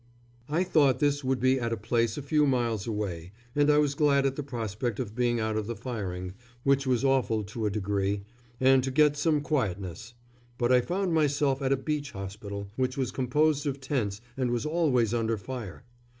I thought this would be at a place a few miles away, and I was glad at the prospect of being out of the firing, which was awful to a degree, and to get some quietness; but I found myself at a beach hospital, which was composed of tents and was always under fire.